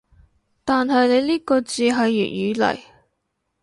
但係你呢個字係粵語嚟